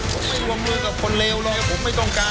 ผมไม่วงมือกับคนเลวเลยผมไม่ต้องการ